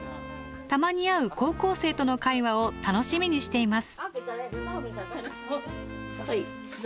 たまに会う高校生との会話を楽しみにしています。